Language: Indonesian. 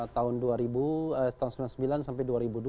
tahun dua ribu tahun sembilan puluh sembilan sampai dua ribu dua